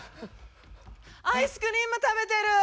アイスクリーム食べてる！